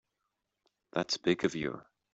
That's big of you.